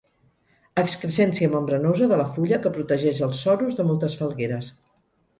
Excrescència membranosa de la fulla que protegeix els sorus de moltes falgueres.